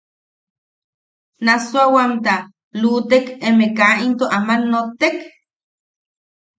¿Nassuawamta luʼutek emeʼe kaa into aman nottek?